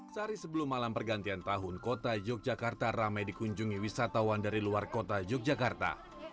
sehari sebelum malam pergantian tahun kota yogyakarta ramai dikunjungi wisatawan dari luar kota yogyakarta